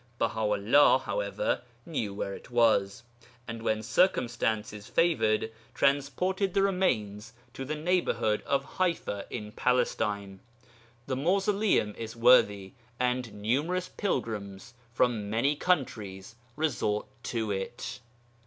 Baha 'ullah, however, knew where it was, and, when circumstances favoured, transported the remains to the neighbourhood of Ḥaifa in Palestine. The mausoleum is worthy, and numerous pilgrims from many countries resort to it.